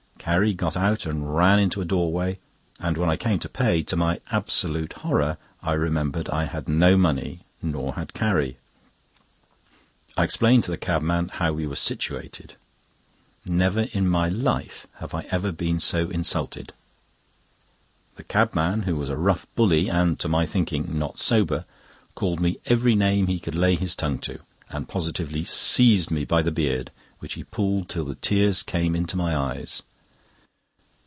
Carrie got out and ran into a doorway, and when I came to pay, to my absolute horror I remembered I had no money, nor had Carrie. I explained to the cabman how we were situated. Never in my life have I ever been so insulted; the cabman, who was a rough bully and to my thinking not sober, called me every name he could lay his tongue to, and positively seized me by the beard, which he pulled till the tears came into my eyes.